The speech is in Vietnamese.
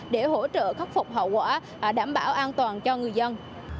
để hỗ trợ khắc phục hậu quả đảm bảo an toàn cho người dân